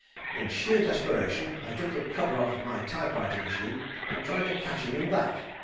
In sheer desperation I took the cover of my typewriting machine and tried to catch him in that.